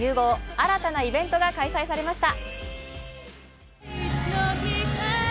新たなイベントが開催されました。